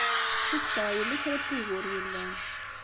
Cukkteɣ yella kra n wugur yellan.